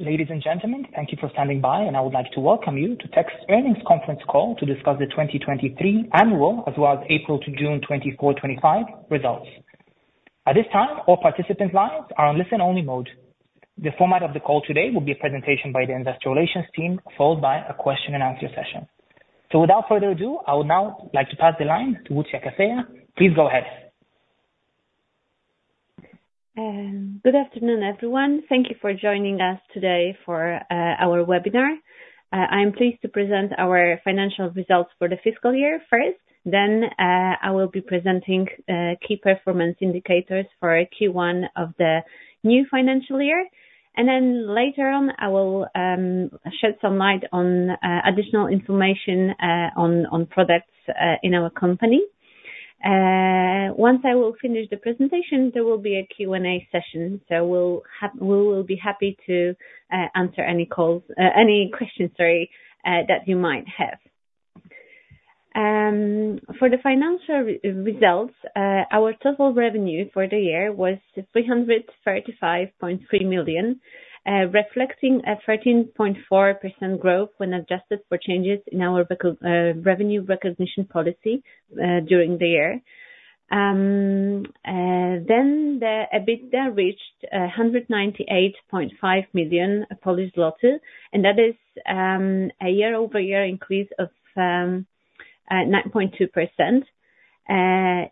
Ladies and gentlemen, thank you for standing by, and I would like to welcome you to Text earnings conference call to discuss the 2023 annual, as well as April-June 2024, 2025 results. At this time, all participants' lines are on listen-only mode. The format of the call today will be a presentation by the Investor Relations team, followed by a question-and-answer session. So, without further ado, I would now like to pass the line to Łucja Kaseja. Please go ahead. Good afternoon, everyone. Thank you for joining us today for our webinar. I am pleased to present our financial results for the fiscal year first. Then I will be presenting key performance indicators for Q1 of the new financial year. And then later on, I will shed some light on additional information on products in our company. Once I will finish the presentation, there will be a Q&A session, so we will be happy to answer any questions, sorry, that you might have. For the financial results, our total revenue for the year was 335.3 million, reflecting a 13.4% growth when adjusted for changes in our revenue recognition policy during the year. Then the EBITDA reached 198.5 million Polish zloty, and that is a year-over-year increase of 9.2%.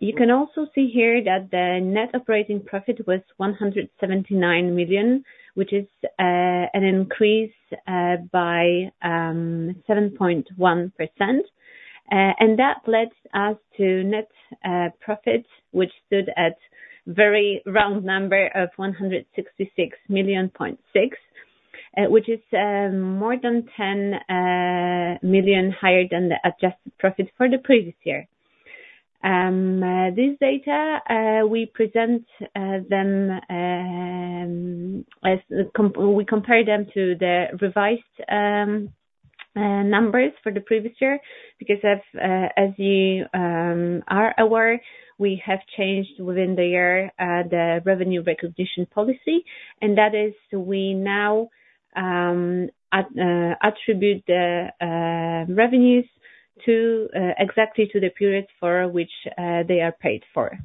You can also see here that the net operating profit was 179 million, which is an increase by 7.1%. That led us to net profit, which stood at a very round number of 166.6 million, which is more than 10 million higher than the adjusted profit for the previous year. These data, we present them as we compare them to the revised numbers for the previous year because, as you are aware, we have changed within the year the revenue recognition policy. And that is, we now attribute the revenues exactly to the periods for which they are paid for.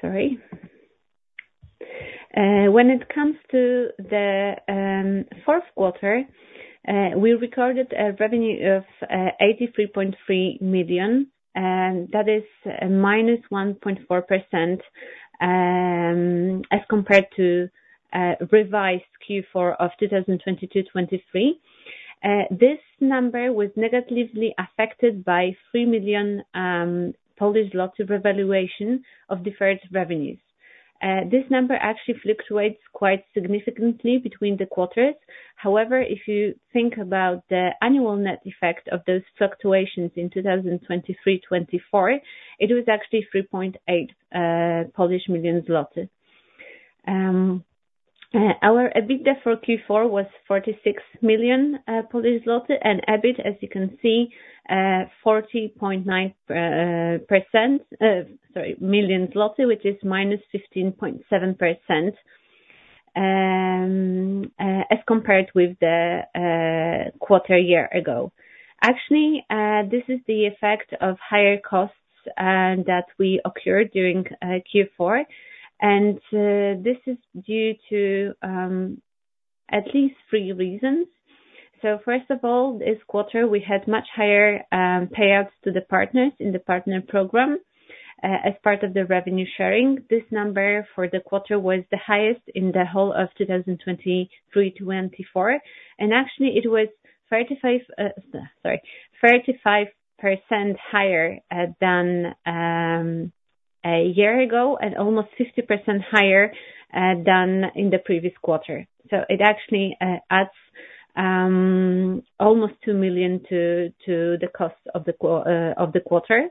Sorry. When it comes to the fourth quarter, we recorded a revenue of 83.3 million. That is -1.4% as compared to revised Q4 of 2022-23. This number was negatively affected by 3 million revaluation of deferred revenues. This number actually fluctuates quite significantly between the quarters. However, if you think about the annual net effect of those fluctuations in 2023-2024, it was actually 3.8 million zloty. Our EBITDA for Q4 was 46 million Polish zloty, and EBIT, as you can see, 40.9%, sorry, PLN 40.9 million, which is -15.7% as compared with the quarter a year ago. Actually, this is the effect of higher costs that we incurred during Q4. And this is due to at least three reasons. So, first of all, this quarter, we had much higher payouts to the partners in the partner program as part of the revenue sharing. This number for the quarter was the highest in the whole of 2023-2024. And actually, it was 35% higher than a year ago and almost 50% higher than in the previous quarter. So it actually adds almost 2 million to the cost of the quarter.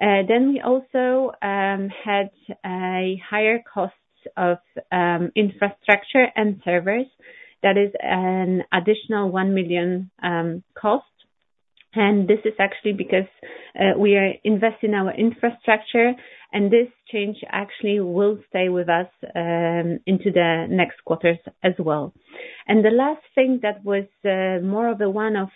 Then we also had a higher cost of infrastructure and servers. That is an additional 1 million cost. This is actually because we are investing in our infrastructure, and this change actually will stay with us into the next quarters as well. The last thing that was more of a one-off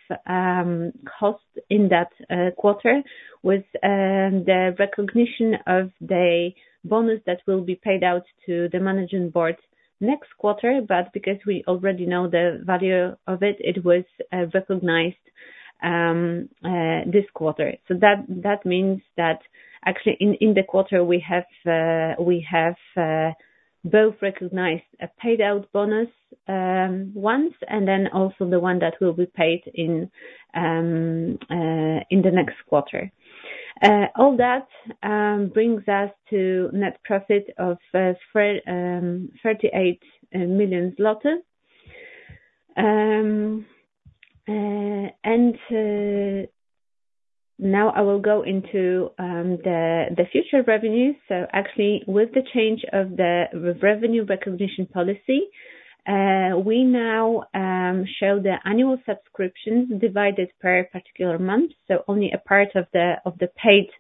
cost in that quarter was the recognition of the bonus that will be paid out to the management board next quarter. But because we already know the value of it, it was recognized this quarter. So that means that actually in the quarter, we have both recognized a paid-out bonus once and then also the one that will be paid in the next quarter. All that brings us to net profit of 38 million zloty. Now I will go into the future revenues. So actually, with the change of the revenue recognition policy, we now show the annual subscriptions divided per particular month. So only a part of the paid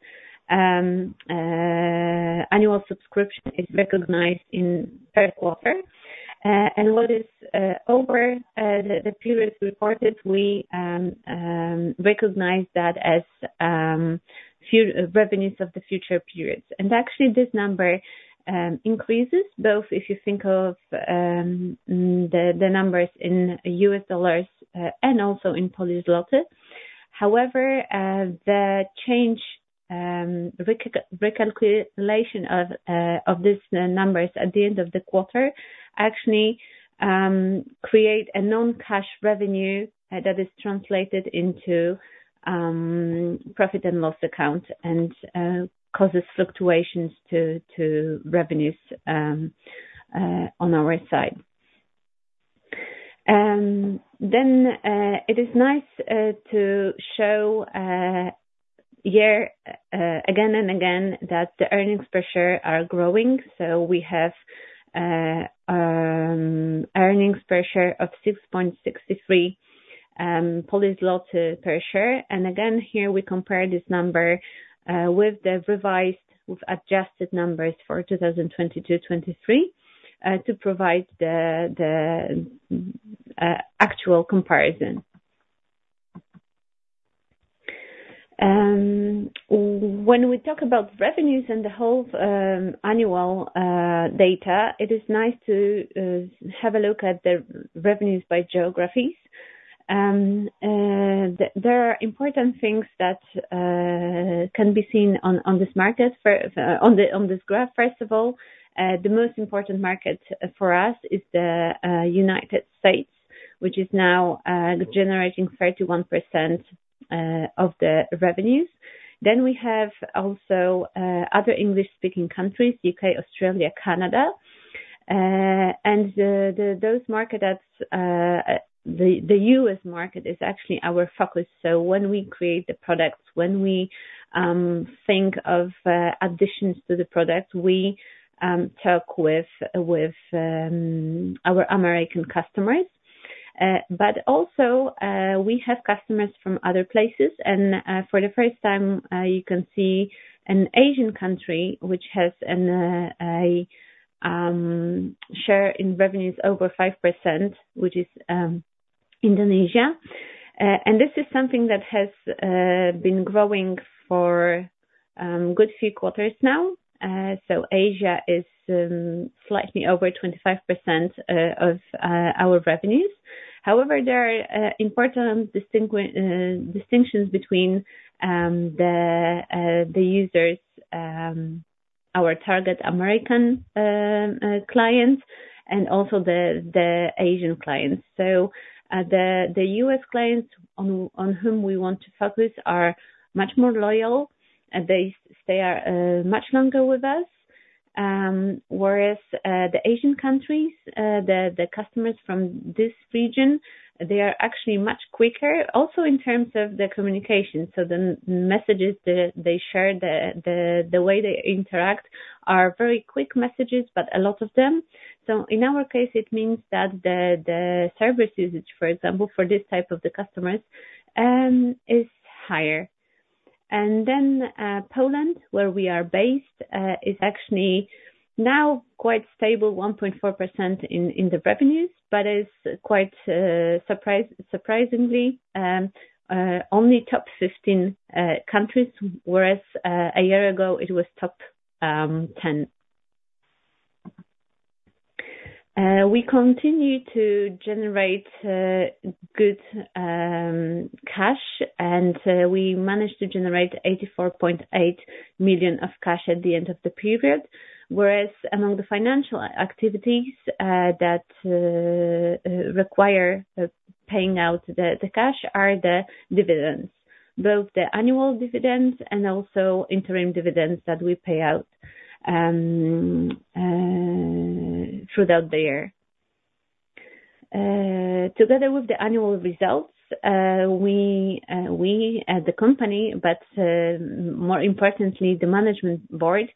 annual subscription is recognized in per quarter. And what is over the periods reported, we recognize that as revenues of the future periods. And actually, this number increases both if you think of the numbers in U.S. dollars and also in Polish złoty. However, the change recalculation of these numbers at the end of the quarter actually creates a non-cash revenue that is translated into profit and loss account and causes fluctuations to revenues on our side. Then it is nice to show here again and again that the earnings per share are growing. So we have earnings per share of 6.63 per share. Again, here we compare this number with the revised, with adjusted numbers for 2022-2023 to provide the actual comparison. When we talk about revenues and the whole annual data, it is nice to have a look at the revenues by geographies. There are important things that can be seen on this market, on this graph. First of all, the most important market for us is the United States, which is now generating 31% of the revenues. Then we have also other English-speaking countries, U.K., Australia, Canada. And those markets, the U.S. market is actually our focus. So when we create the products, when we think of additions to the products, we talk with our American customers. But also, we have customers from other places. And for the first time, you can see an Asian country which has a share in revenues over 5%, which is Indonesia. This is something that has been growing for a good few quarters now. So Asia is slightly over 25% of our revenues. However, there are important distinctions between the users, our target American clients, and also the Asian clients. So the U.S. clients on whom we want to focus are much more loyal. They stay much longer with us. Whereas the Asian countries, the customers from this region, they are actually much quicker also in terms of the communication. So the messages they share, the way they interact are very quick messages, but a lot of them. So in our case, it means that the service usage, for example, for this type of the customers is higher. And then Poland, where we are based, is actually now quite stable, 1.4% in the revenues, but it's quite surprisingly only top 15 countries, whereas a year ago it was top 10. We continue to generate good cash, and we managed to generate 84.8 million of cash at the end of the period. Whereas among the financial activities that require paying out the cash are the dividends, both the annual dividends and also interim dividends that we pay out throughout the year. Together with the annual results, we, the company, but more importantly, the management board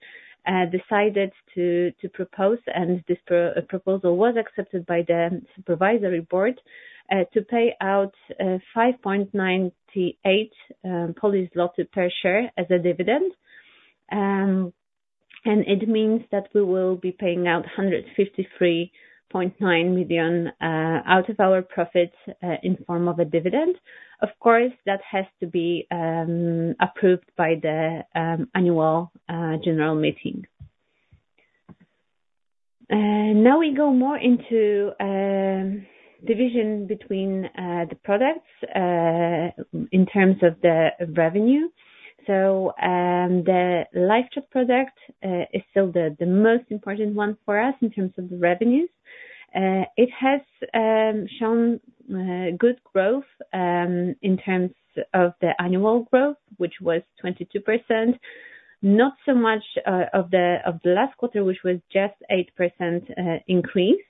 decided to propose, and this proposal was accepted by the supervisory board to pay out 5.98 per share as a dividend. And it means that we will be paying out 153.9 million out of our profits in form of a dividend. Of course, that has to be approved by the annual general meeting. Now we go more into division between the products in terms of the revenue. So the LiveChat product is still the most important one for us in terms of the revenues. It has shown good growth in terms of the annual growth, which was 22%, not so much of the last quarter, which was just 8% increase.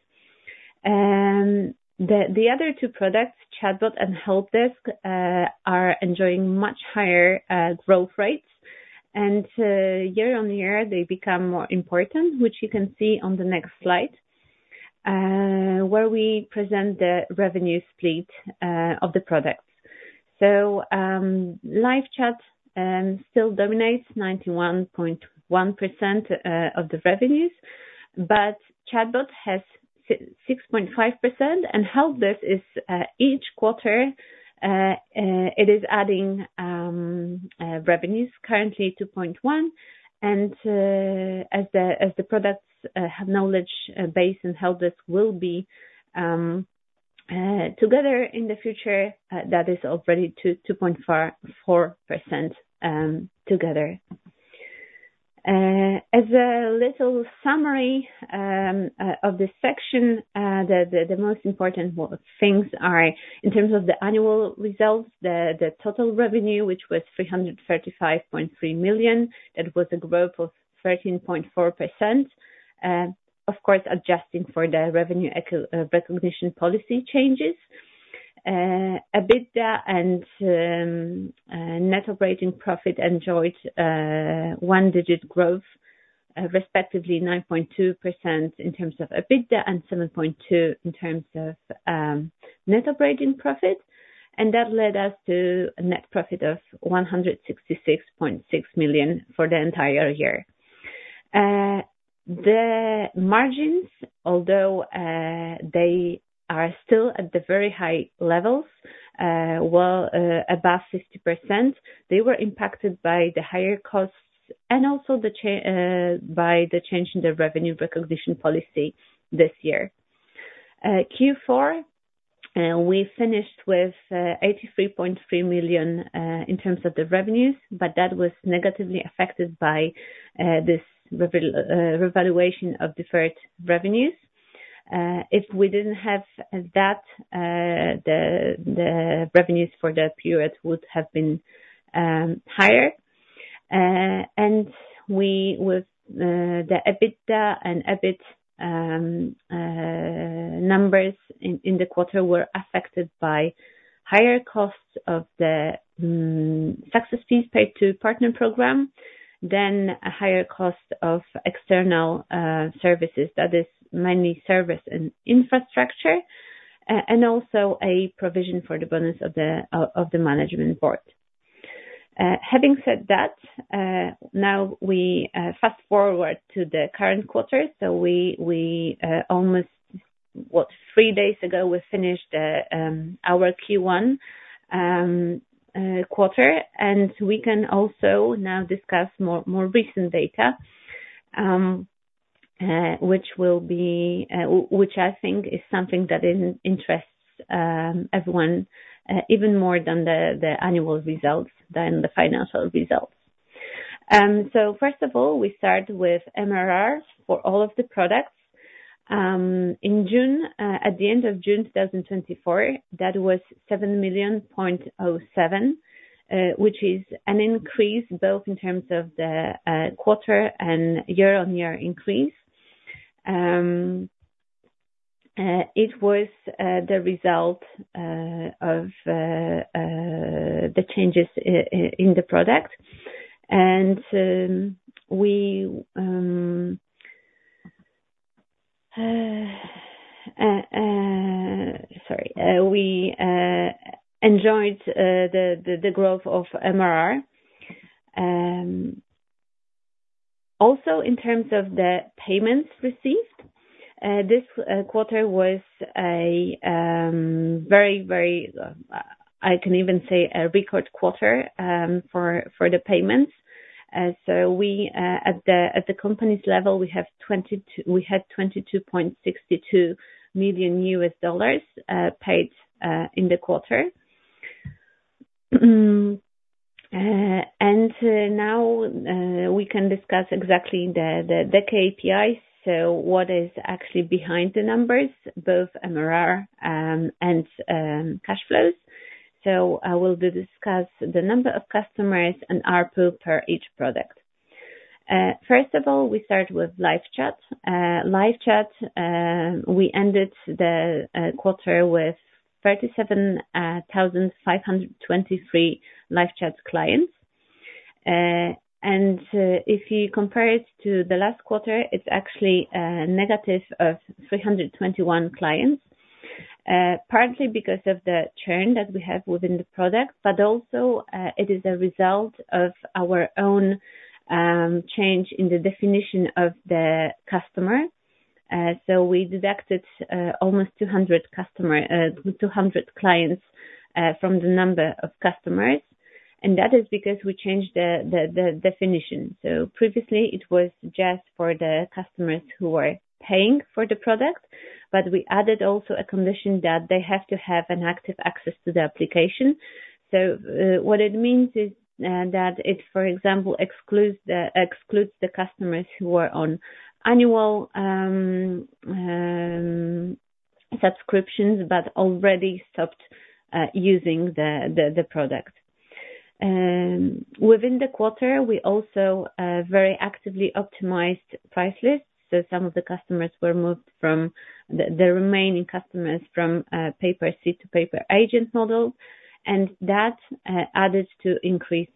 The other two products, ChatBot and HelpDesk, are enjoying much higher growth rates. And year-on-year, they become more important, which you can see on the next slide, where we present the revenue split of the products. So LiveChat still dominates 91.1% of the revenues, but ChatBot has 6.5%, and HelpDesk is each quarter, it is adding revenues, currently 2.1%. And as the products have KnowledgeBase and HelpDesk will be together in the future, that is already 2.4% together. As a little summary of this section, the most important things are in terms of the annual results, the total revenue, which was 335.3 million, that was a growth of 13.4%, of course, adjusting for the revenue recognition policy changes. EBITDA and net operating profit enjoyed one-digit growth, respectively 9.2% in terms of EBITDA and 7.2% in terms of net operating profit. And that led us to a net profit of 166.6 million for the entire year. The margins, although they are still at the very high levels, well above 50%, they were impacted by the higher costs and also by the change in the revenue recognition policy this year. Q4, we finished with 83.3 million in terms of the revenues, but that was negatively affected by this revaluation of deferred revenues. If we didn't have that, the revenues for the period would have been higher. The EBITDA and EBIT numbers in the quarter were affected by higher costs of the success fees paid to Partner program, then a higher cost of external services. That is mainly servers and infrastructure, and also a provision for the bonus of the management board. Having said that, now we fast forward to the current quarter. So almost three days ago, we finished our Q1 quarter. And we can also now discuss more recent data, which I think is something that interests everyone even more than the annual results, than the financial results. So first of all, we start with MRRs for all of the products. In June, at the end of June 2024, that was 7.07 million, which is an increase both in terms of the quarter and year-on-year increase. It was the result of the changes in the product. And we enjoyed the growth of MRR. Also, in terms of the payments received, this quarter was a very, very, very, I can even say a record quarter for the payments. So at the company's level, we had $22.62 million paid in the quarter. And now we can discuss exactly the KPIs, so what is actually behind the numbers, both MRR and cash flows. So I will discuss the number of customers and RPU per each product. First of all, we start with LiveChat. LiveChat, we ended the quarter with 37,523 LiveChat clients. And if you compare it to the last quarter, it's actually a negative of 321 clients, partly because of the churn that we have within the product, but also it is a result of our own change in the definition of the customer. So we deducted almost 200 clients from the number of customers. That is because we changed the definition. So previously, it was just for the customers who were paying for the product, but we added also a condition that they have to have active access to the application. So what it means is that it, for example, excludes the customers who are on annual subscriptions but already stopped using the product. Within the quarter, we also very actively optimized price lists. So some of the customers were moved from the remaining customers from per-seat to per-agent model. And that added to increased churn.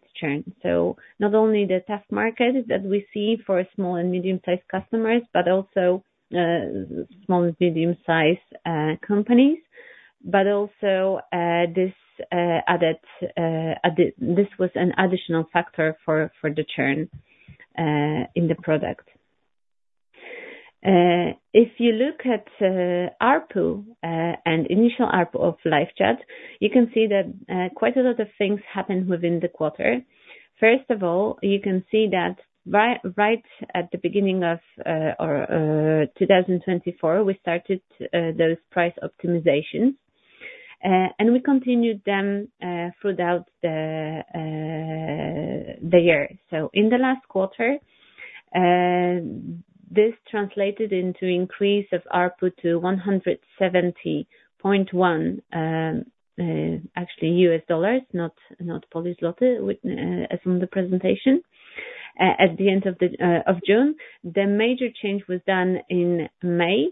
So not only the tough market that we see for small and medium-sized customers, but also small and medium-sized companies, but also this was an additional factor for the churn in the product. If you look at RPU and initial RPU of LiveChat, you can see that quite a lot of things happened within the quarter. First of all, you can see that right at the beginning of 2024, we started those price optimizations. We continued them throughout the year. In the last quarter, this translated into an increase of RPU to $170.1, actually U.S. dollars, not Polish złoty as in the presentation. At the end of June, the major change was done in May.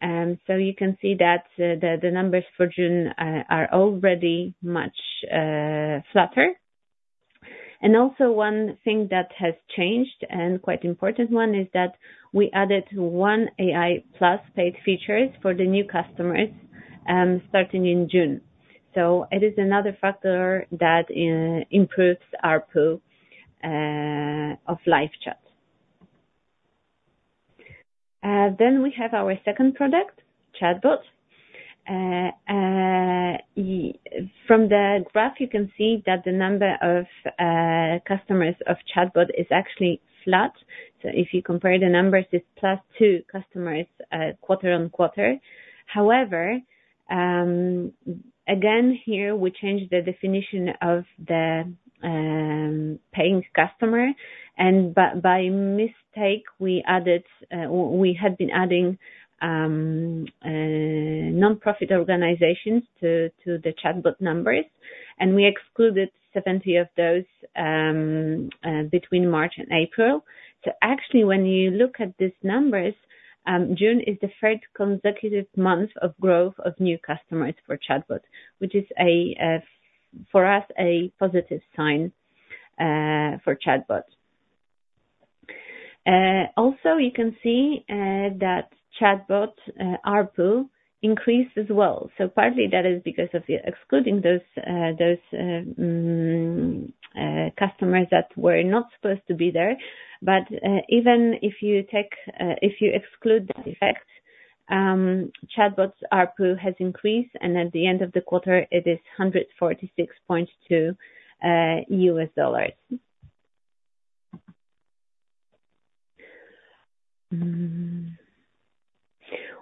You can see that the numbers for June are already much flatter. Also one thing that has changed and quite an important one is that we added one AI Plus paid feature for the new customers starting in June. It is another factor that improves RPU of LiveChat. We have our second product, ChatBot. From the graph, you can see that the number of customers of ChatBot is actually flat. So if you compare the numbers, it's +2 customers quarter-over-quarter. However, again, here we changed the definition of the paying customer. And by mistake, we had been adding nonprofit organizations to the ChatBot numbers. And we excluded 70 of those between March and April. So actually, when you look at these numbers, June is the third consecutive month of growth of new customers for ChatBot, which is, for us, a positive sign for ChatBot. Also, you can see that ChatBot RPU increased as well. So partly that is because of excluding those customers that were not supposed to be there. But even if you exclude that effect, ChatBot's RPU has increased. And at the end of the quarter, it is $146.2.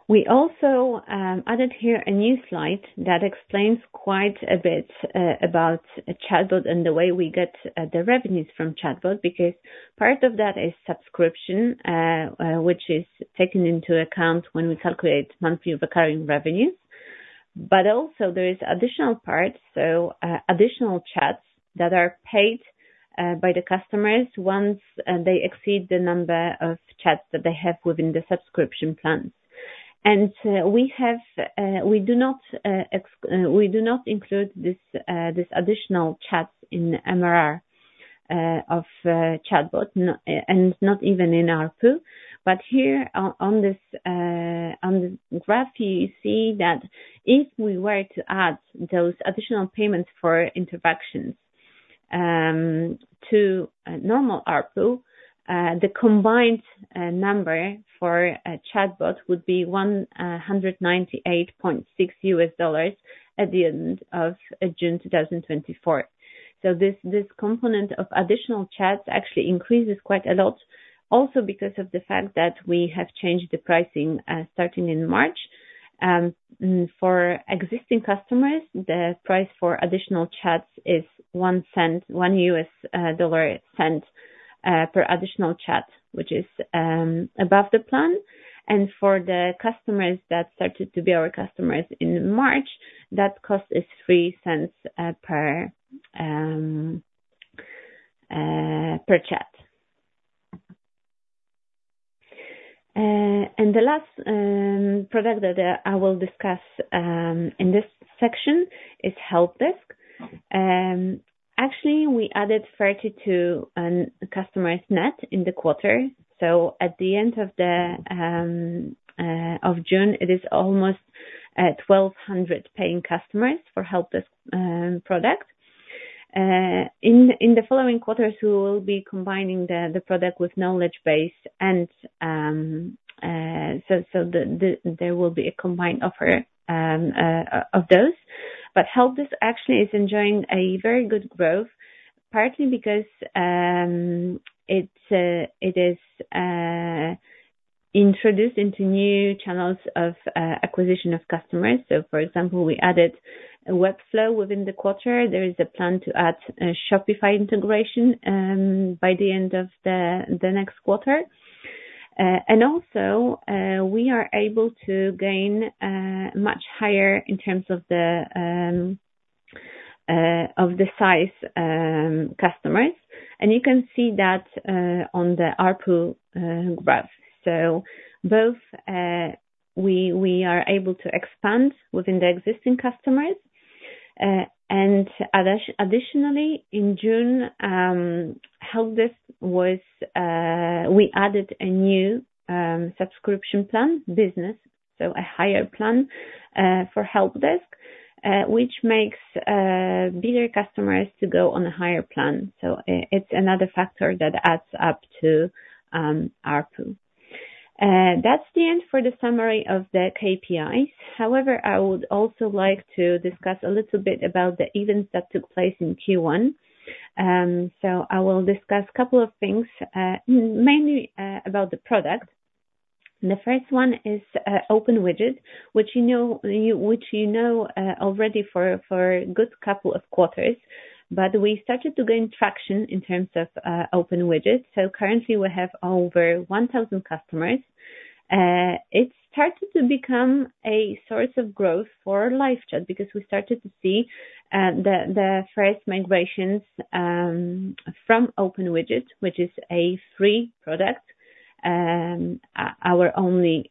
We also added here a new slide that explains quite a bit about ChatBot and the way we get the revenues from ChatBot because part of that is subscription, which is taken into account when we calculate monthly recurring revenues. But also, there is an additional part, so additional chats that are paid by the customers once they exceed the number of chats that they have within the subscription plan. And we do not include this additional chat in MRR of ChatBot and not even in RPU. But here on the graph, you see that if we were to add those additional payments for interactions to normal RPU, the combined number for ChatBot would be $198.6 at the end of June 2024. So this component of additional chats actually increases quite a lot, also because of the fact that we have changed the pricing starting in March. For existing customers, the price for additional chats is $0.01 per additional chat, which is above the plan. For the customers that started to be our customers in March, that cost is $0.03 per chat. The last product that I will discuss in this section is HelpDesk. Actually, we added 32 customers net in the quarter. At the end of June, it is almost 1,200 paying customers for HelpDesk product. In the following quarter, we will be combining the product with KnowledgeBase. There will be a combined offer of those. HelpDesk actually is enjoying a very good growth, partly because it is introduced into new channels of acquisition of customers. For example, we added Webflow within the quarter. There is a plan to add Shopify integration by the end of the next quarter. Also, we are able to gain much higher in terms of the size customers. You can see that on the RPU graph. So both we are able to expand within the existing customers. Additionally, in June, we added a new subscription plan, business, so a higher plan for HelpDesk, which makes bigger customers to go on a higher plan. So it's another factor that adds up to RPU. That's the end for the summary of the KPIs. However, I would also like to discuss a little bit about the events that took place in Q1. So I will discuss a couple of things, mainly about the product. The first one is OpenWidget, which you know already for a good couple of quarters. But we started to gain traction in terms of OpenWidget. So currently, we have over 1,000 customers. It started to become a source of growth for LiveChat because we started to see the first migrations from OpenWidget, which is a free product, our only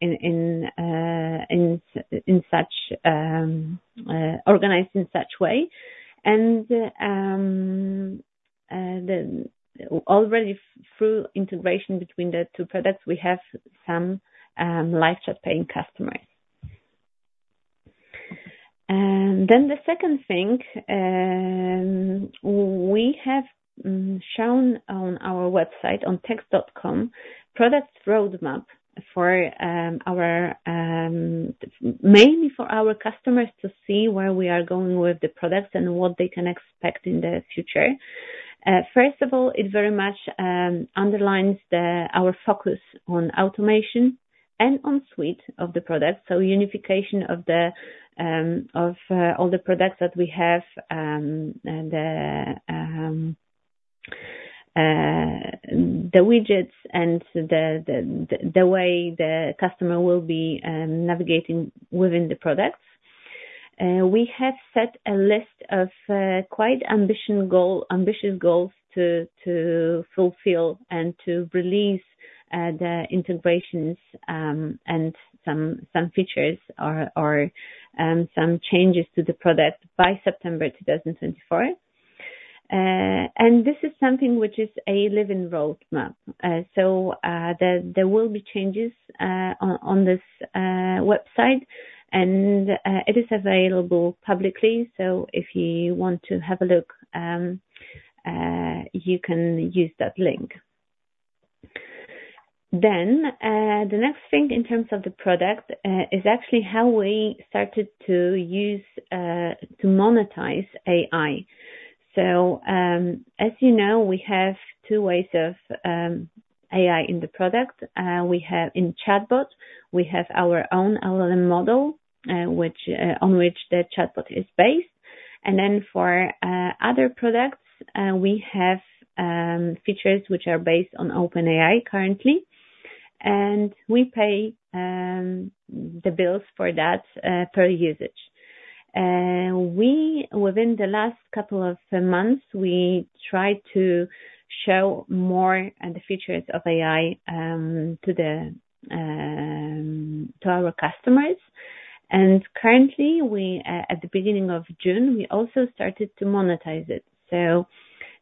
organized in such way. And already through integration between the two products, we have some LiveChat paying customers. Then the second thing, we have shown on our website on text.com, product roadmap mainly for our customers to see where we are going with the products and what they can expect in the future. First of all, it very much underlines our focus on automation and on suite of the product. So unification of all the products that we have, the widgets, and the way the customer will be navigating within the products. We have set a list of quite ambitious goals to fulfill and to release the integrations and some features or some changes to the product by September 2024. This is something which is a living roadmap. There will be changes on this website, and it is available publicly. If you want to have a look, you can use that link. The next thing in terms of the product is actually how we started to monetize AI. As you know, we have two ways of AI in the product. In ChatBot, we have our own LLM model, on which the ChatBot is based. For other products, we have features which are based on OpenAI currently. We pay the bills for that per usage. Within the last couple of months, we tried to show more of the features of AI to our customers. Currently, at the beginning of June, we also started to monetize it.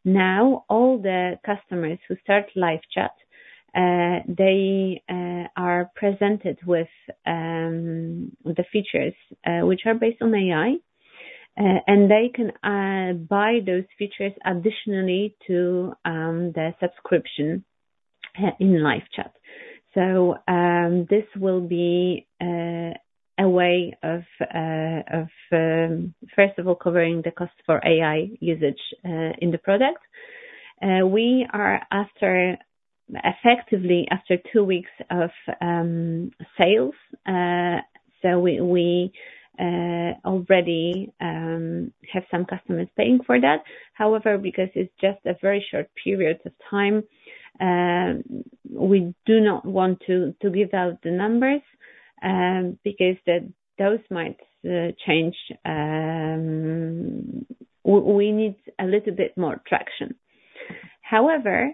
Now all the customers who start LiveChat, they are presented with the features which are based on AI. They can buy those features additionally to the subscription in LiveChat. This will be a way of, first of all, covering the cost for AI usage in the product. We are effectively after 2 weeks of sales. We already have some customers paying for that. However, because it's just a very short period of time, we do not want to give out the numbers because those might change. We need a little bit more traction. However,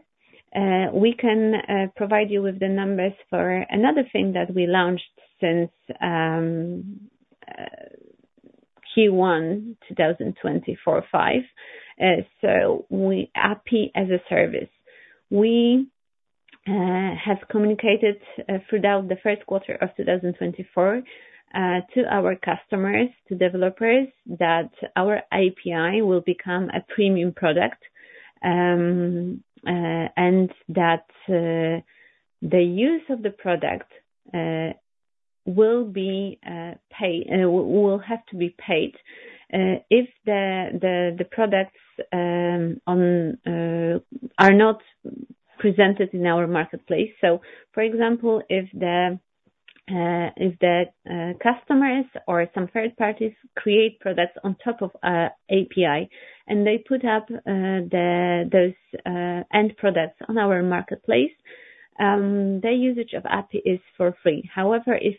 we can provide you with the numbers for another thing that we launched since Q1 2024-2025, so API as a Service. We have communicated throughout the first quarter of 2024 to our customers, to developers, that our API will become a premium product and that the use of the product will have to be paid if the products are not presented in our marketplace. So for example, if the customers or some third parties create products on top of API and they put up those end products on our marketplace, their usage of API is for free. However, if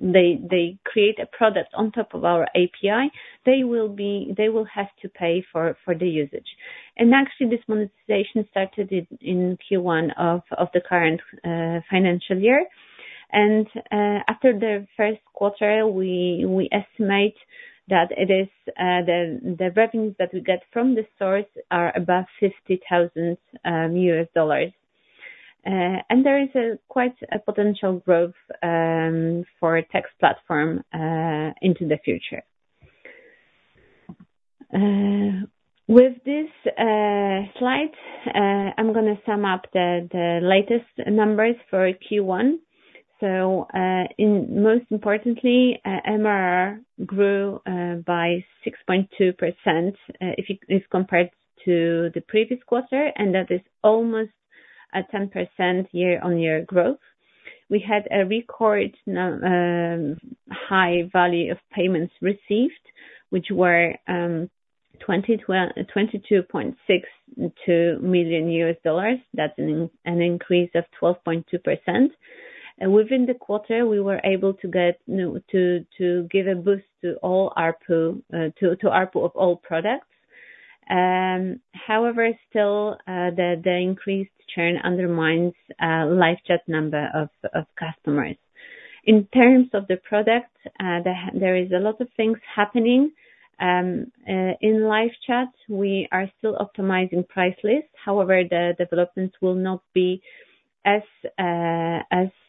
they create a product on top of our API, they will have to pay for the usage. And actually, this monetization started in Q1 of the current financial year. And after the first quarter, we estimate that the revenues that we get from the source are above $50,000. And there is quite a potential growth for a Text platform into the future. With this slide, I'm going to sum up the latest numbers for Q1. Most importantly, MRR grew by 6.2% if compared to the previous quarter. That is almost a 10% year-on-year growth. We had a record high value of payments received, which were $22.62 million. That's an increase of 12.2%. Within the quarter, we were able to give a boost to RPU of all products. However, still, the increased churn undermines LiveChat number of customers. In terms of the product, there is a lot of things happening in LiveChat. We are still optimizing price lists. However, the developments will not be as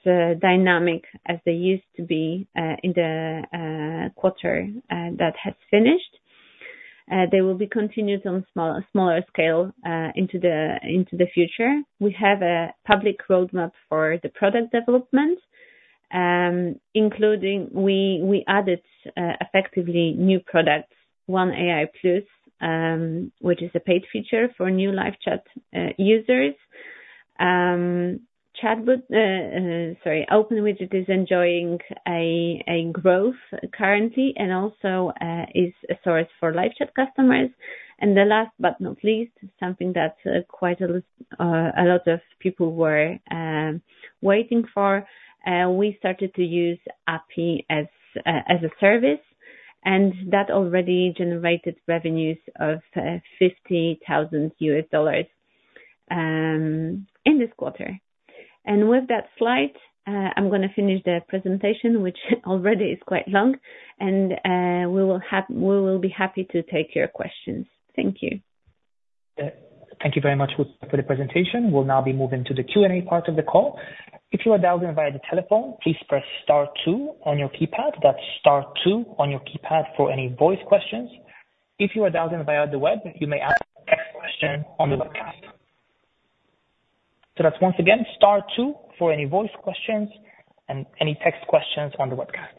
dynamic as they used to be in the quarter that has finished. They will be continued on a smaller scale into the future. We have a public roadmap for the product development, including we added effectively new products, one AI Plus, which is a paid feature for new LiveChat users. OpenWidget is enjoying a growth currently and also is a source for LiveChat customers. And the last but not least, something that quite a lot of people were waiting for, we started to use API as a Service. That already generated revenues of $50,000 in this quarter. With that slide, I'm going to finish the presentation, which already is quite long. We will be happy to take your questions. Thank you. Thank you very much for the presentation. We'll now be moving to the Q&A part of the call. If you are dialed in via the telephone, please press star two on your keypad. That's star two on your keypad for any voice questions. If you are dialed in via the web, you may ask a text question on the webcast. So that's once again star two for any voice questions and any text questions on the webcast.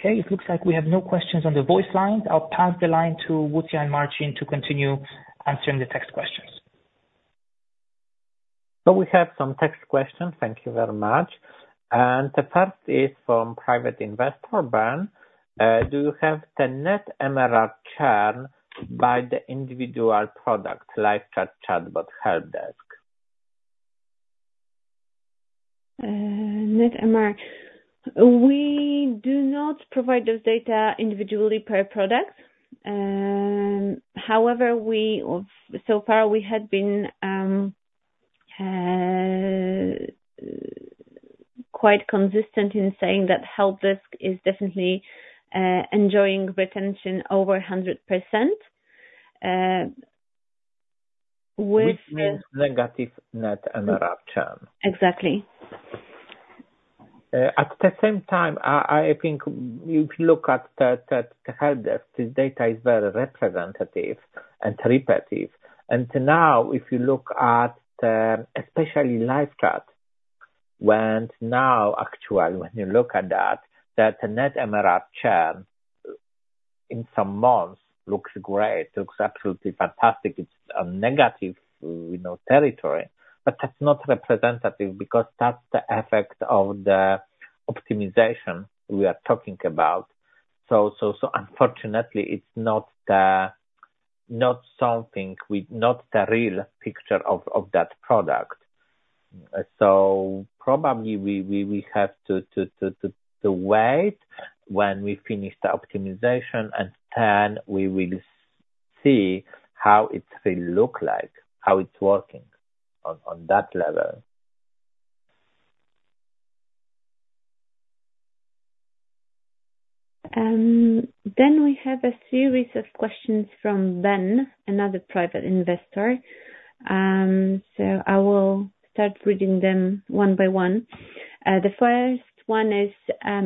Okay. It looks like we have no questions on the voice line. I'll pass the line to Łucja and Marcin to continue answering the text questions. So we have some text questions. Thank you very much. And the first is from private investor, Ben. Do you have the net MRR churn by the individual product, LiveChat, ChatBot, HelpDesk? Net MRR. We do not provide this data individually per product. However, so far, we had been quite consistent in saying that HelpDesk is definitely enjoying retention over 100%. With negative net MRR churn. Exactly. At the same time, I think if you look at the HelpDesk, this data is very representative and repetitive. Now, if you look at especially LiveChat, when now actually, when you look at that, that net MRR churn in some months looks great, looks absolutely fantastic. It's a negative territory. But that's not representative because that's the effect of the optimization we are talking about. So unfortunately, it's not something, not the real picture of that product. So probably we have to wait when we finish the optimization, and then we will see how it really looks like, how it's working on that level. Then we have a series of questions from Ben, another private investor. So I will start reading them one by one. The first one is,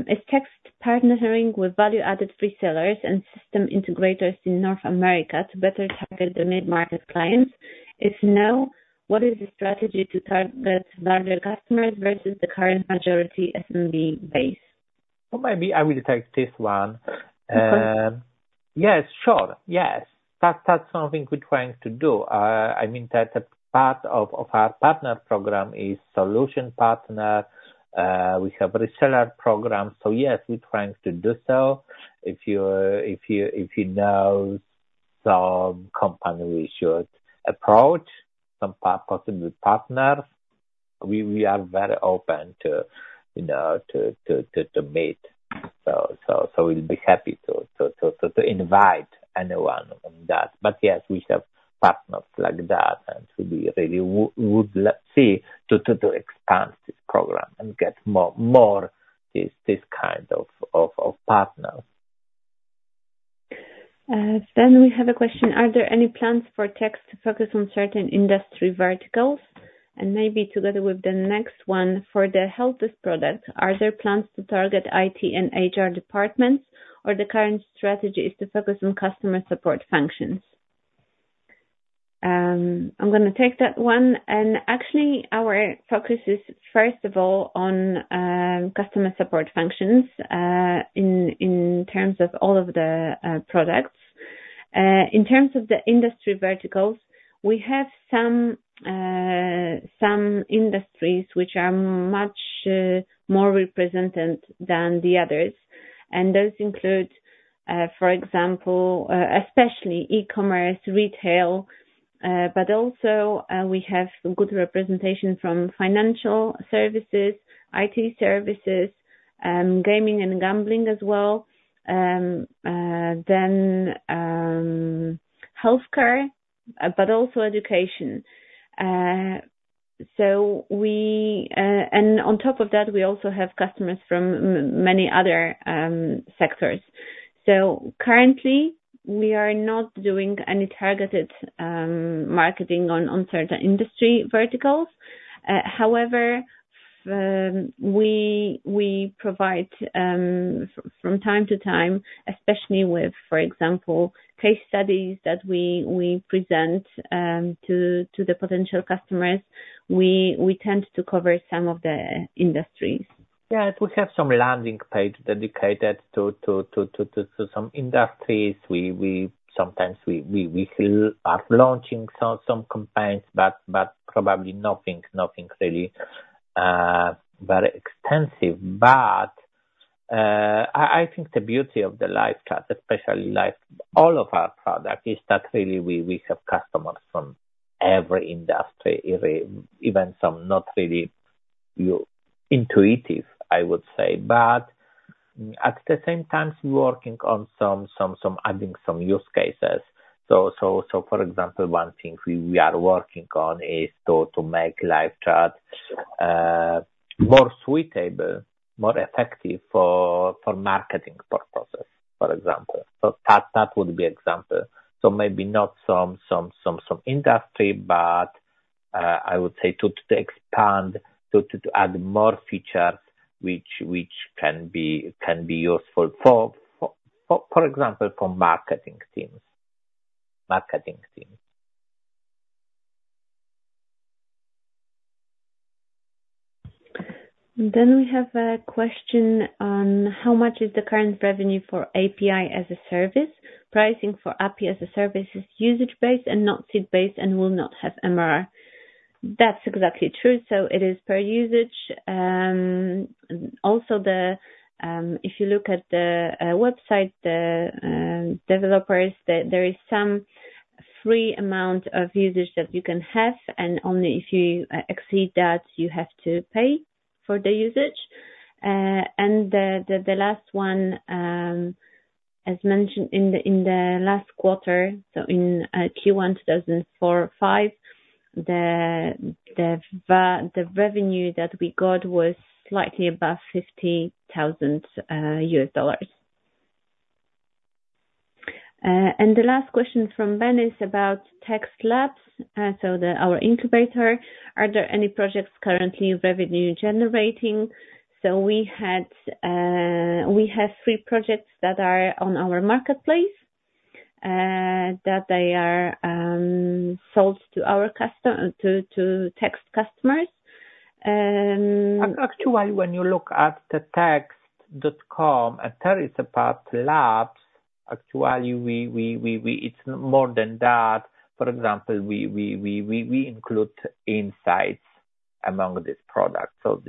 "Is Text partnering with value-added resellers and system integrators in North America to better target the mid-market clients? If no, what is the strategy to target larger customers versus the current majority SMB base?" Well, maybe I will take this one. Yes, sure. Yes. That's something we're trying to do. I mean, that's a part of our partner program is solution partner. We have reseller program. So yes, we're trying to do so. If you know some company we should approach, some possible partners, we are very open to meet. So we'll be happy to invite anyone on that. But yes, we have partners like that, and we really would love to see to expand this program and get more this kind of partners. Then we have a question. Are there any plans for Text to focus on certain industry verticals? Maybe together with the next one, for the HelpDesk product, are there plans to target IT and HR departments, or the current strategy is to focus on customer support functions? I'm going to take that one. Actually, our focus is, first of all, on customer support functions in terms of all of the products. In terms of the industry verticals, we have some industries which are much more represented than the others. Those include, for example, especially e-commerce, retail, but also we have good representation from financial services, IT services, gaming and gambling as well, then healthcare, but also education. On top of that, we also have customers from many other sectors. Currently, we are not doing any targeted marketing on certain industry verticals. However, we provide from time to time, especially with, for example, case studies that we present to the potential customers, we tend to cover some of the industries. Yeah. We have some landing page dedicated to some industries. Sometimes we are launching some campaigns, but probably nothing really very extensive. But I think the beauty of the LiveChat, especially all of our products, is that really we have customers from every industry, even some not really intuitive, I would say. But at the same time, we're working on adding some use cases. So for example, one thing we are working on is to make LiveChat more suitable, more effective for marketing purposes, for example. So that would be an example. So maybe not some industry, but I would say to expand, to add more features which can be useful, for example, for marketing teams. Marketing teams. Then we have a question on how much is the current revenue for API as a service? pricing for API as a service is usage-based and not seed-based and will not have MRR. That's exactly true. So it is per usage. Also, if you look at the website, the developers, there is some free amount of usage that you can have. And only if you exceed that, you have to pay for the usage. And the last one, as mentioned in the last quarter, so in Q1 2024-2025, the revenue that we got was slightly above $50,000. And the last question from Ben is about Text Labs, so our incubator. Are there any projects currently revenue-generating? So we have 3 projects that are on our marketplace, that they are sold to Text customers. Actually, when you look at the text.com and Text Labs, actually, it's more than that. For example, we include Insights among these products. So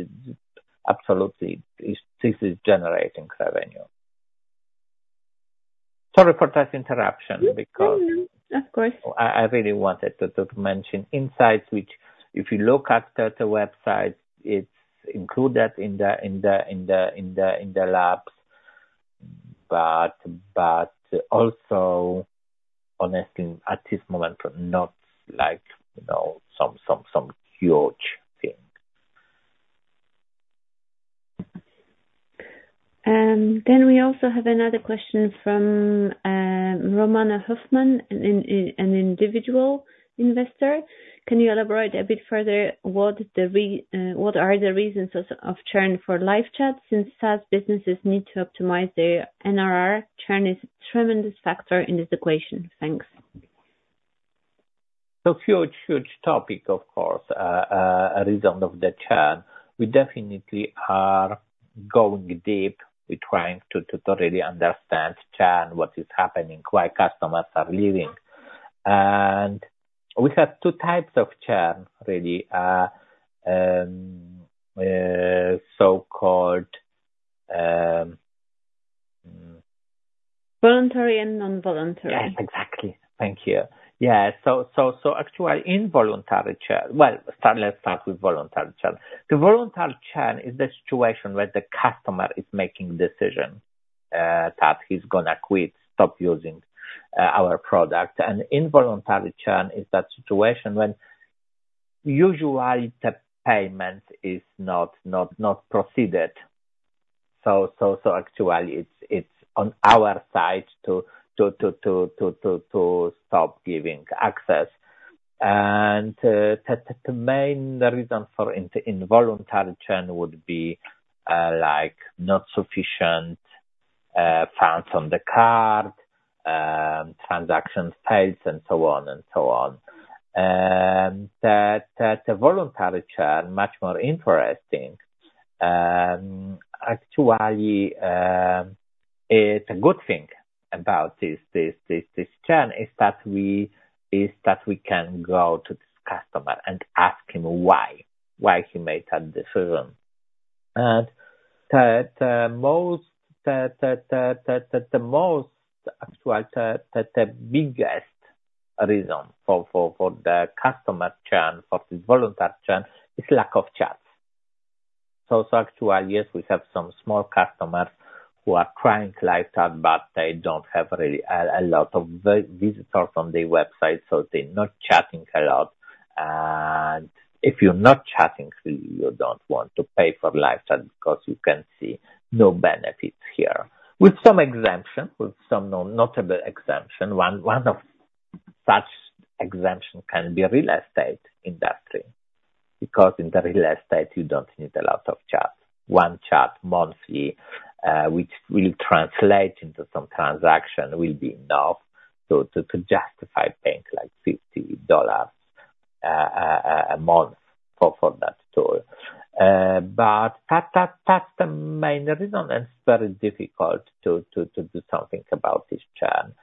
absolutely, this is generating revenue. Sorry for that interruption because I really wanted to mention Insights, which if you look at the website, it's included in the labs. But also, honestly, at this moment, not some huge thing. Then we also have another question from Romana Hoffman, an individual investor. Can you elaborate a bit further? What are the reasons of churn for LiveChat since SaaS businesses need to optimize their NRR? Churn is a tremendous factor in this equation. Thanks. So huge, huge topic, of course, a reason of the churn. We definitely are going deep. We're trying to really understand churn, what is happening, why customers are leaving. And we have two types of churn ready, so-called. Voluntary and involuntary. Yes, exactly. Thank you. Yeah. So actually, involuntary churn. Well, let's start with voluntary churn. The voluntary churn is the situation where the customer is making a decision that he's going to quit, stop using our product. And involuntary churn is that situation when usually the payment is not processed. So actually, it's on our side to stop giving access. And the main reason for involuntary churn would be not sufficient funds on the card, transaction fails, and so on and so on. The voluntary churn, much more interesting, actually, it's a good thing about this churn is that we can go to this customer and ask him why he made that decision. And the most actual, the biggest reason for the customer churn, for this voluntary churn, is lack of chats. So actually, yes, we have some small customers who are trying live chat, but they don't have really a lot of visitors on their website. So they're not chatting a lot. And if you're not chatting, you don't want to pay for live chat because you can see no benefits here. With some exception, with some notable exception, one of such exceptions can be real estate industry because in the real estate, you don't need a lot of chats. One chat monthly, which will translate into some transaction, will be enough to justify paying like $50 a month for that tool. But that's the main reason, and it's very difficult to do something about this churn.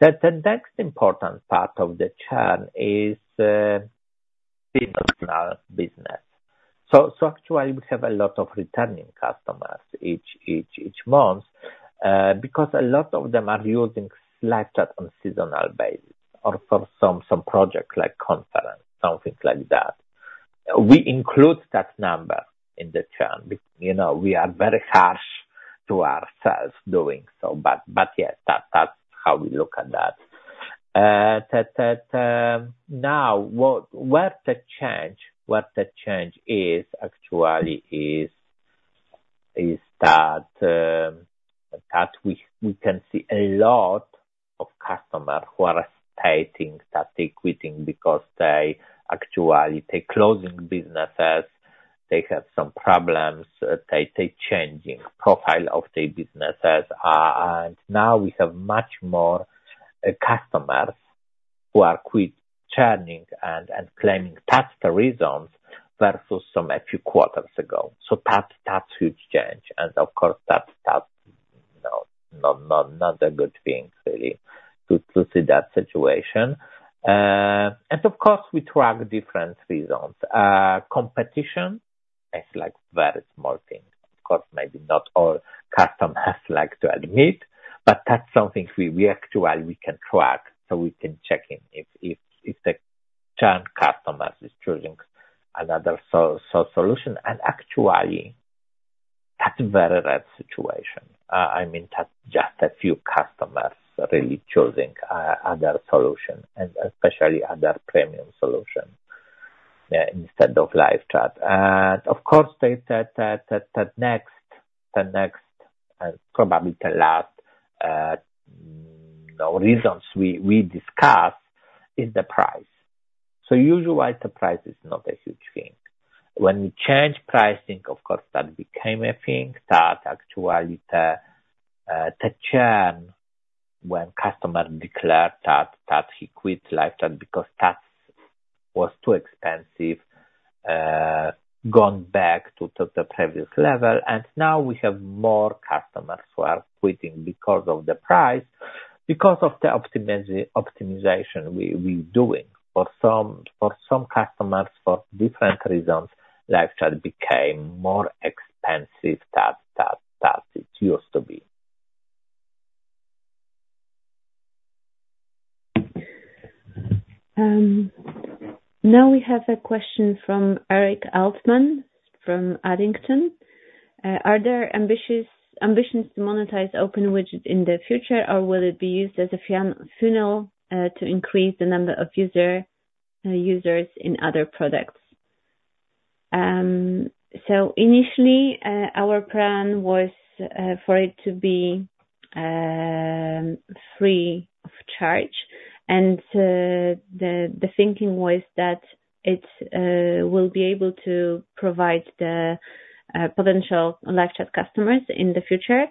The next important part of the churn is seasonal business. So actually, we have a lot of returning customers each month because a lot of them are using LiveChat on seasonal basis or for some projects like conference, something like that. We include that number in the churn. We are very harsh to ourselves doing so. But yes, that's how we look at that. Now, where the change is actually is that we can see a lot of customers who are stating that they're quitting because they actually take closing businesses, they have some problems, they're changing profile of their businesses. And now we have much more customers who are quit churning and claiming that's the reasons versus some a few quarters ago. So that's huge change. And of course, that's not a good thing really to see that situation. And of course, we track different reasons. Competition is like very small thing. Of course, maybe not all customers like to admit, but that's something we actually can track so we can check in if the churn customers is choosing another solution. Actually, that's a very rare situation. I mean, that's just a few customers really choosing other solutions, and especially other premium solutions instead of LiveChat. Of course, the next, probably the last reasons we discuss is the price. Usually, the price is not a huge thing. When we change pricing, of course, that became a thing that actually the churn, when customer declared that he quit LiveChat because that was too expensive, gone back to the previous level. Now we have more customers who are quitting because of the price, because of the optimization we're doing. For some customers, for different reasons, LiveChat became more expensive than it used to be. Now we have a question from Eric Altman from Arrington. Are there ambitions to monetize OpenWidget in the future, or will it be used as a funnel to increase the number of users in other products? So initially, our plan was for it to be free of charge. And the thinking was that it will be able to provide the potential live chat customers in the future.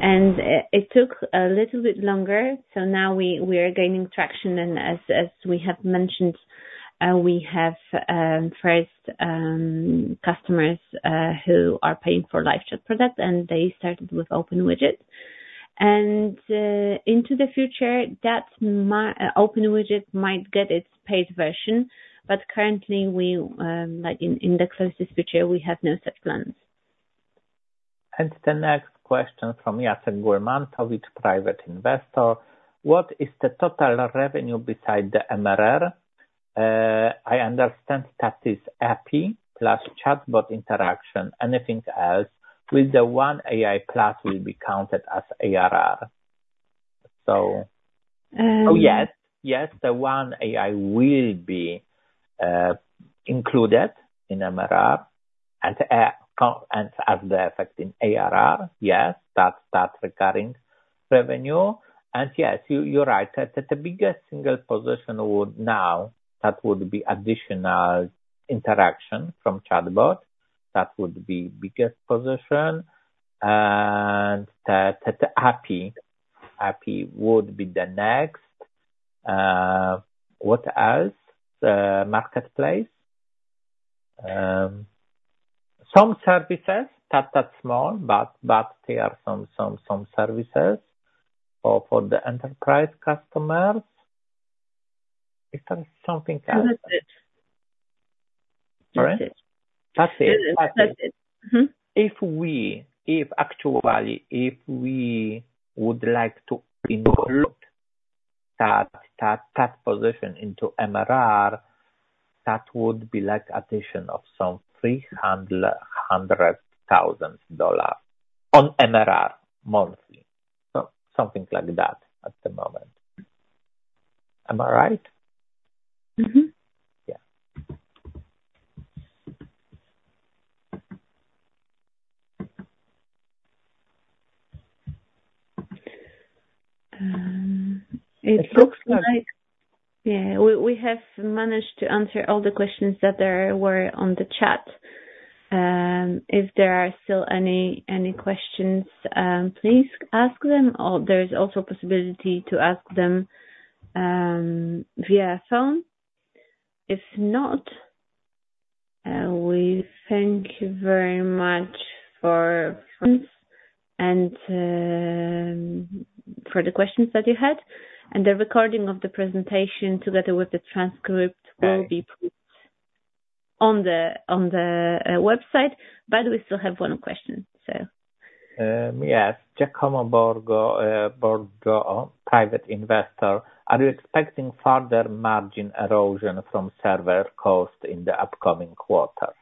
And it took a little bit longer. So now we are gaining traction. And as we have mentioned, we have first customers who are paying for live chat products, and they started with OpenWidget. And into the future, that OpenWidget might get its paid version. But currently, in the closest future, we have no such plans. And the next question from Yasin Gurbanov, which private investor. What is the total revenue beside the MRR? I understand that is API plus chatbot interaction. Anything else with the AI Plus will be counted as ARR? So yes, yes, the AI Plus will be included in MRR and have the effect in ARR. Yes, that's recurring revenue. And yes, you're right. The biggest single position would now, that would be additional interaction from ChatBot. That would be the biggest position. And the API would be the next. What else? The marketplace. Some services, that's small, but they are some services for the enterprise customers. Is there something else? That's it. That's it. That's it. That's it. If actually, if we would like to include that position into MRR, that would be like addition of some $300,000 on MRR monthly. So something like that at the moment. Am I right? Yeah. It looks like. Yeah. We have managed to answer all the questions that there were on the chat. If there are still any questions, please ask them. There's also a possibility to ask them via phone. If not, we thank you very much for. And for the questions that you had. And the recording of the presentation together with the transcript will be put on the website. But we still have one question, so. Yes. Giacomo Borgo, private investor. Are you expecting further margin erosion from server cost in the upcoming quarter?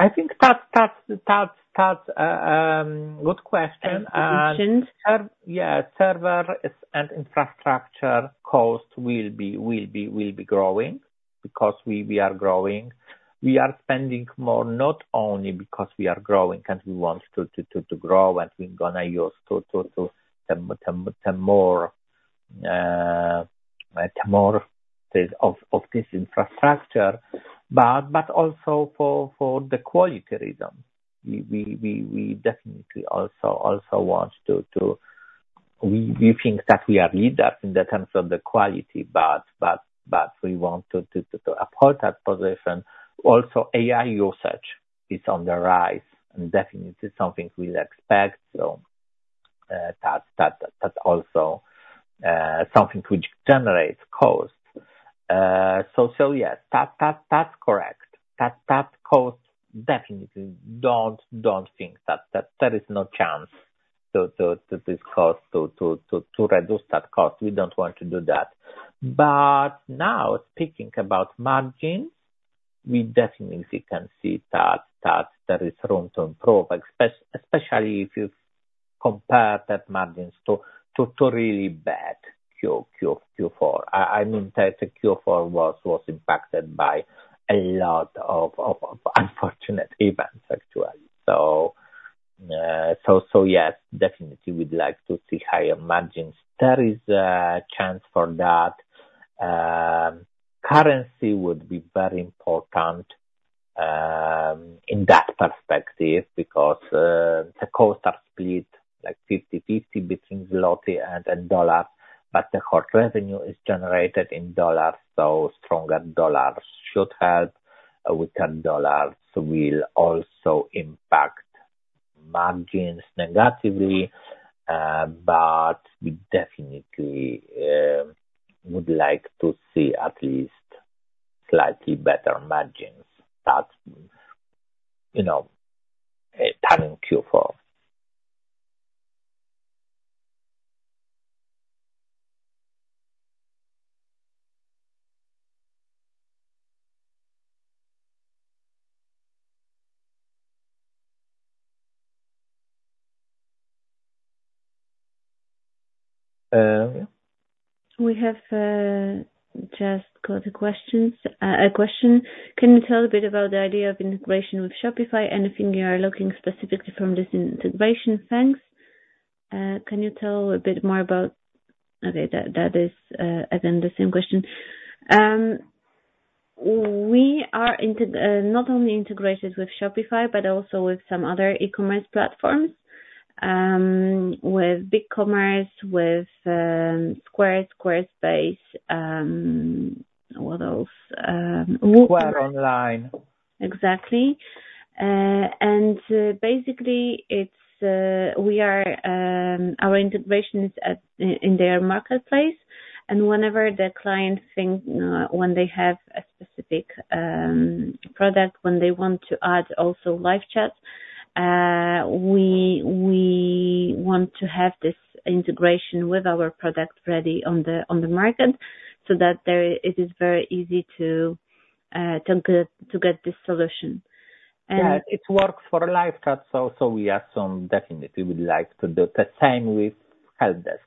I think that's a good question. Yeah. Server and infrastructure cost will be growing because we are growing. We are spending more not only because we are growing and we want to grow and we're going to use the more of this infrastructure, but also for the quality reasons. We definitely also want to we think that we are leaders in the terms of the quality, but we want to uphold that position. Also, AI usage is on the rise and definitely something we expect. So that's also something which generates cost. So yes, that's correct. That cost definitely don't think that there is no chance to reduce that cost. We don't want to do that. But now, speaking about margins, we definitely can see that there is room to improve, especially if you compare those margins to really bad Q4. I mean, Q4 was impacted by a lot of unfortunate events, actually. So yes, definitely we'd like to see higher margins. There is a chance for that. Currency would be very important in that perspective because the costs are split like 50/50 between złoty. and dollar. But the net revenue is generated in dollars, so stronger dollars should help. Weaker dollars will also impact margins negatively. But we definitely would like to see at least slightly better margins. That's coming Q4. We have just got a question. Can you tell a bit about the idea of integration with Shopify? Anything you are looking specifically from this integration? Thanks. Can you tell a bit more about? Okay. That is, again, the same question. We are not only integrated with Shopify, but also with some other e-commerce platforms, with BigCommerce, with Square, Squarespace, what else? Square Online. Exactly. And basically, our integration is in their marketplace. And whenever the client thinks, when they have a specific product, when they want to add also live chat, we want to have this integration with our product ready on the market so that it is very easy to get this solution. And it works for live chat. So we assume definitely we'd like to do the same with HelpDesk.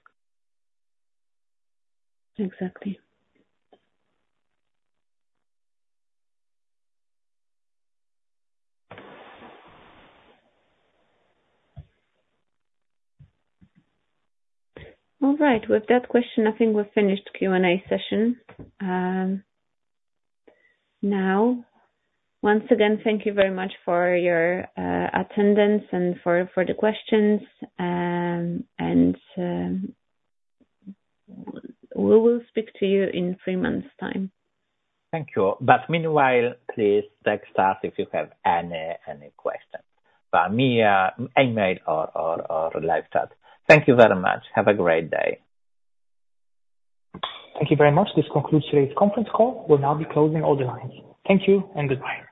Exactly. All right. With that question, I think we've finished Q&A session. Now, once again, thank you very much for your attendance and for the questions. We will speak to you in three months time. Thank you. But meanwhile, please text us if you have any questions, via email or live chat. Thank you very much. Have a great day. Thank you very much. This concludes today's conference call. We'll now be closing all the lines. Thank you and goodbye.